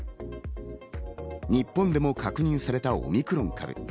日本でも確認されたオミクロン株。